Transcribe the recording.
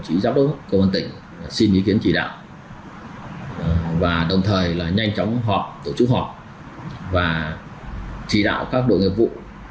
công an tỉnh xin ý kiến chỉ đạo và đồng thời là nhanh chóng họp tổ chức họp và chỉ đạo các đội nghiệp vụ